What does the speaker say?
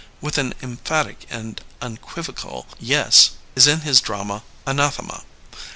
with an emphatic and unequivocal Yes, is in his drama Anathema.